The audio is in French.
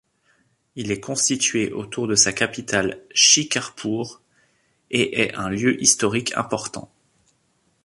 Il est constitué autour de sa capitale Shikarpur et est un lieu historique important.